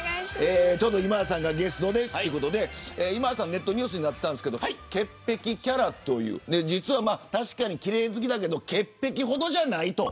今田さんがゲストということで今田さん、ネットニュースになっていたんですけれど潔癖キャラという確かに奇麗好きだけど潔癖ほどではない。